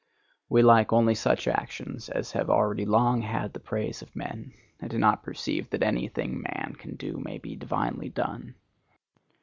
We like only such actions as have already long had the praise of men, and do not perceive that any thing man can do may be divinely done.